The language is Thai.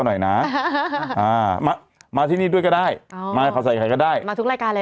อ๋อให้๓๐๐๐บาทโอ้โฮเดินผ่าน๓๐๐๐บาท